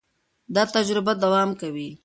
دا تجربه دوام کوي.